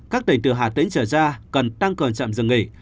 các tỉnh từ hà tĩnh trở ra cần tăng cường trạm dừng nghỉ